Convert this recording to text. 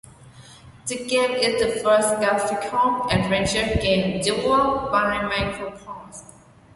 The game is the first graphical adventure game developed by MicroProse.